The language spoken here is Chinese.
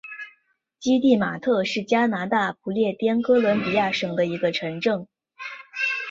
基蒂马特是加拿大不列颠哥伦比亚省的一个城镇。